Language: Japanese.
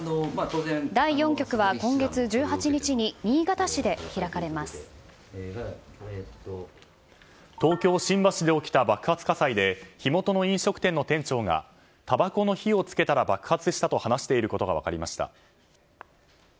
第４局は今月１８日に東京・新橋で起きた爆発火災で火元の飲食店の店長がたばこの火を付けたら爆発したと話していることが分かりました。